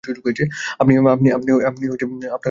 আপনি কোন লাল সস আছে?